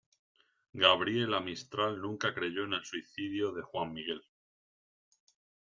Gabriela Mistral nunca creyó en el suicidio de Juan Miguel.